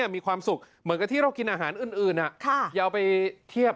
มีความสุขเหมือนกับที่เรากินอาหารอื่นอย่าเอาไปเทียบ